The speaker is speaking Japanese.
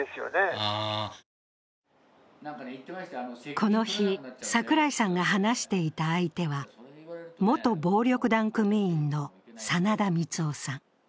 この日、櫻井さんが話していた相手は元暴力団組員の真田光男さん。